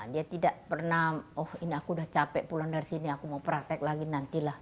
dia tidak pernah oh ini aku udah capek pulang dari sini aku mau praktek lagi nanti lah